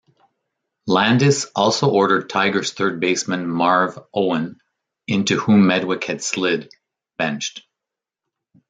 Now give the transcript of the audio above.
Landis also ordered Tigers third baseman Marv Owen, into whom Medwick had slid, benched.